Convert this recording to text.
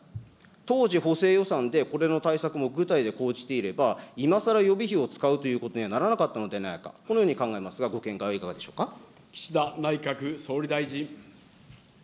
当時、補正予算でこれの対策も具体で講じていれば、いまさら予備費を使うということにはならなかったのではないか、このように考えます岸田内閣総理大臣。